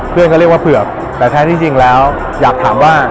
เรียกว่าเผือกแต่แท้ที่จริงแล้วอยากถามว่า